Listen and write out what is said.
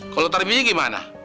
kalau tarmigyi gimana